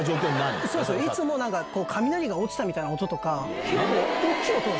いつも雷が落ちたみたいな音とか。